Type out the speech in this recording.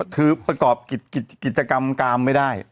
คือประกอบกิจกรรมกามไม่ได้